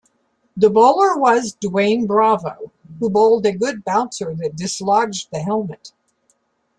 The bowler was Dwayne Bravo, who bowled a good bouncer that dislodged the helmet.